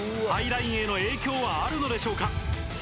ハイラインへの影響はあるのでしょうか？